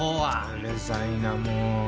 うるさいなもう。